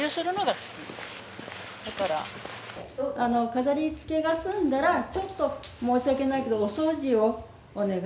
飾り付けが済んだらちょっと申し訳ないけどお掃除をお願いしたいと思います。